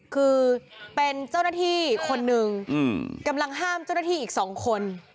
คือเป็นเจ้าหน้าที่คนหนึ่งกำลังห้ามเจ้าหน้าที่อีกสองคน